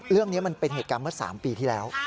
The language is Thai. เรื่องนี้มันเป็นเหตุการณ์เมื่อ๓ปีที่แล้ว